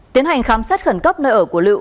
tiến hành khám xét khẩn cấp nơi ở của lựu